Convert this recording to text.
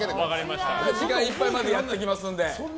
時間いっぱいまでやっていきますので。